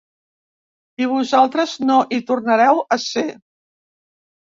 I vosaltres no hi tornareu a ser.